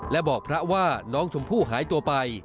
และบอกพระว่าน้องชมพู่หายตัวไป